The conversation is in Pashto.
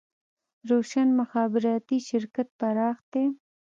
روشن مخابراتي شرکت پراخ دی